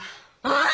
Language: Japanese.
ああ！